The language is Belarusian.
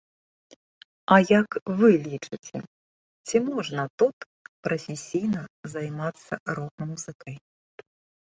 А як вы лічыце, ці можна тут прафесійна займацца рок-музыкай?